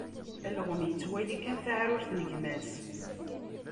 Alɣem ittwali kan taɛrurt n gma-s.